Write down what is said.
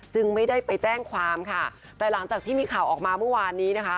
ไม่ได้ไปแจ้งความค่ะแต่หลังจากที่มีข่าวออกมาเมื่อวานนี้นะคะ